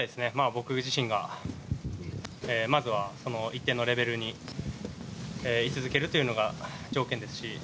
僕自身がまずは一定のレベルに居続けるというのが条件ですし